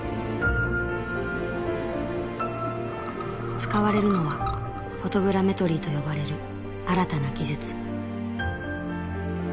使われるのはフォトグラメトリーと呼ばれる新たな技術。